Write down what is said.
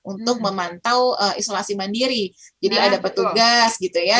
untuk memantau isolasi mandiri jadi ada petugas gitu ya